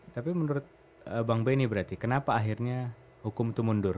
tapi menurut bang benny berarti kenapa akhirnya hukum itu mundur